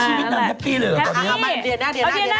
ชีวิตนั้นแฮปปี้เลยเหรอตอนนี้เอาเดียนหน้า